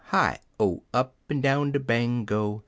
HiO! Upn down de Bango!)